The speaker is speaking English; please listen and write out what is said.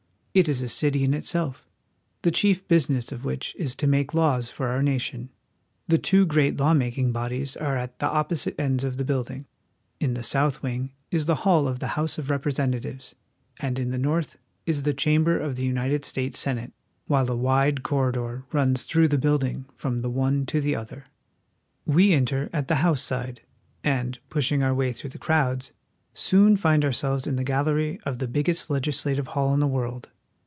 It is a city in itself, the chief business of which is to make laws for our nation. The two great lawmaking bodies are at the opposite ends of the building. In the south wing is the hall of the House of Representatives, and in the north is the chamber of the United States Senate, while a wide corridor runs through the building from the one to the other. We enter at the House side, and, pushing our way through the crowds, soon find ourselves in the gallery of the biggest legislative hall in the world.